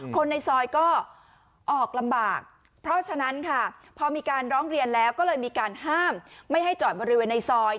คนในซอยก็ออกลำบากเพราะฉะนั้นค่ะพอมีการร้องเรียนแล้วก็เลยมีการห้ามไม่ให้จอดบริเวณในซอย